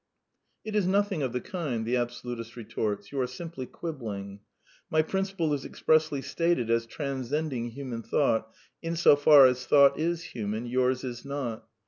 It is nothing of the kind, the absolutist retorts. You are simply quibbling. My principle is expressly stated as transcending human thought, in so far as thought is human, yours is not.